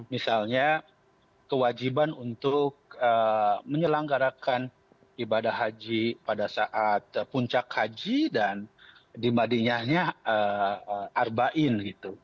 misalnya kewajiban untuk menyelanggarakan ibadah haji pada saat puncak haji dan dimadinya harbain